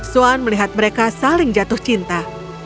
swan melihat mereka saling jatuh cinta